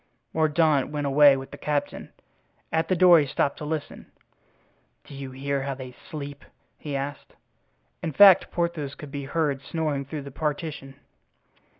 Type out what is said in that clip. Mordaunt went away with the captain. At the door he stopped to listen. "Do you hear how they sleep?" he asked. In fact, Porthos could be heard snoring through the partition.